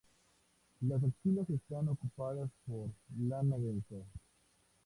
Las axilas están ocupadas por lana densa.